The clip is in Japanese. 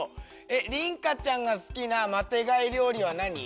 りんかちゃんがすきなマテがいりょうりはなに？